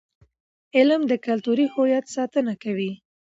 علم د کلتوري هویت ساتنه کوي.